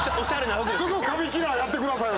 ⁉すぐカビキラーやってくださいよ！